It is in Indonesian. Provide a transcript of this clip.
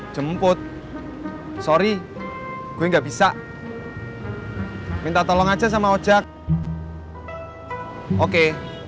jemput sorry gue nggak bisa minta tolong aja sama ojek oke